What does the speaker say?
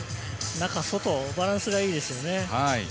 中、外とバランスがいいですね。